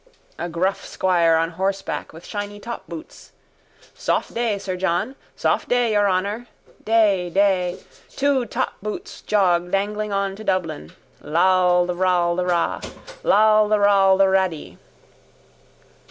A gruff squire on horseback with shiny topboots. Soft day, sir John! Soft day, your honour!... Day!... Day!... Two topboots jog dangling on to Dublin. Lal the ral the ra. Lal the ral the raddy.